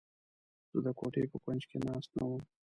زه د کوټې په کونج کې ناست نه وم.